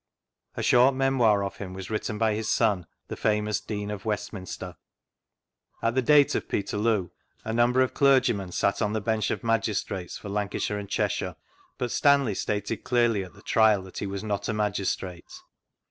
A short memoir of him wjis written by his son, the famous Dean of Westminster. vGoogIc 3 THREE ACCOUNTS OF PETERLOO At the date of Peterloo, a number of clergymen sat (m the Bench of Magistrates for Lancashire and Cheshire, but Stanley stated clearly at the Trial that be was not a Magistrate.